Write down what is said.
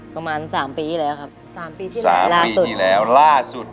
ประมาณ๓ปีที่แล้วครับล่าสุด๓ปีที่แล้วล่าสุด